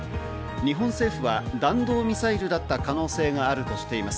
日本政府は弾道ミサイルだった可能性があるとしています。